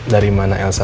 dari mana elsa